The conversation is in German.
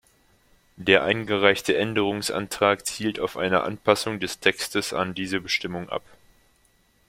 Der eingereichte Änderungsantrag zielt auf eine Anpassung des Textes an diese Bestimmung ab.